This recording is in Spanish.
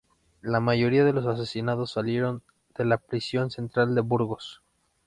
La mayoría de los asesinados salieron de la prisión central de Burgos.